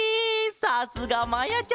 さすがまやちゃま！